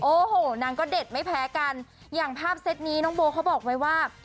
โอ้โหนางก็เด็ดไม่แพ้กันอย่างภาพเซตนี้น้องโบเขาบอกไว้ว่า